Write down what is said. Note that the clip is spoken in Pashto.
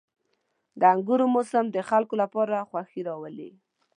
• د انګورو موسم د خلکو لپاره خوښي راولي.